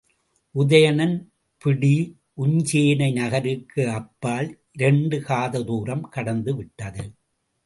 உதயணன் பிடி உஞ்சேனை நகருக்கு அப்பால் இரண்டு காததுரம் கடந்து விட்டது.